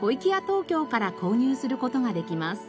東京から購入する事ができます。